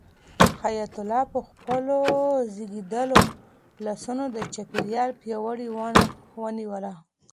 حیات الله په خپلو ریږېدلو لاسونو د چایو پیاله ونیوله.